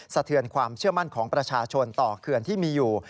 เทือนความเชื่อมั่นของประชาชนต่อเขื่อนที่มีอยู่